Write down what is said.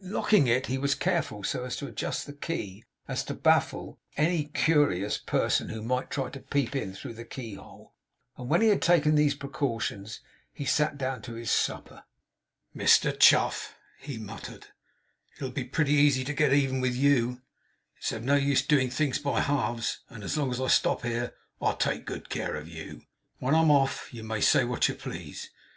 In locking it, he was careful so to adjust the key as to baffle any curious person who might try to peep in through the key hole; and when he had taken these precautions, he sat down to his supper. 'Mr Chuff,' he muttered, 'it'll be pretty easy to be even with YOU. It's of no use doing things by halves, and as long as I stop here, I'll take good care of you. When I'm off you may say what you please.